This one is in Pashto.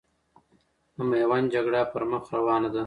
د میوند جګړه پرمخ روانه ده.